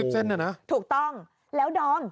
เส้นเนี่ยนะถูกต้องแล้วดอม